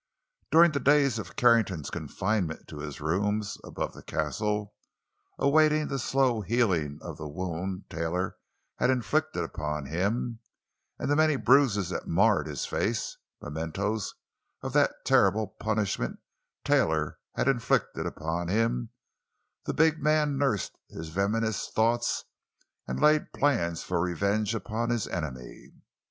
During the days of Carrington's confinement to his rooms above the Castle—awaiting the slow healing of the wound Taylor had inflicted upon him, and the many bruises that marred his face—mementoes of the terrible punishment Taylor had inflicted upon him—the big man nursed his venomous thoughts and laid plans for revenge upon his enemy.